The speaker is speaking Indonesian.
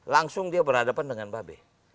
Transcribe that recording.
langsung dia berhadapan dengan mbak be